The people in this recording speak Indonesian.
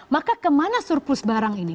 maka kemana surplus barang ini